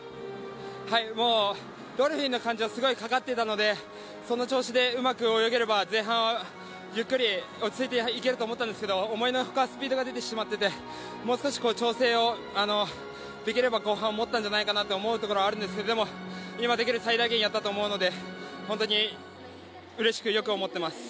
もうドルフィンの感じはすごいかかっていたのでその調子で、うまく泳げれば前半、ゆっくり落ち着いていけると思ったんですけど思いのほかスピードが出ちゃっていて、もう少し調整をできれば後半もったんじゃないかなと思う部分もあるんですけどでも、今できる最大限やったと思うので、本当にうれしくよく思っています。